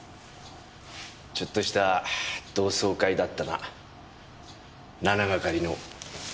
ちょっとした同窓会だったな７係の。